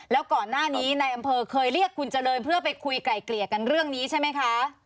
แล้วก่อนหน้านี้ในอำเภอเคยเรียกคุณเจริญเพื่อไปคุยไกล่เกลี่ยกันเรื่องนี้ใช่ไหมคะ